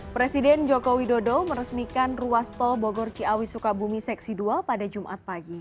presiden joko widodo meresmikan ruas tol bogor ciawi sukabumi seksi dua pada jumat pagi